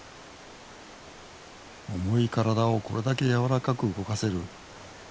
重い体をこれだけやわらかく動かせる。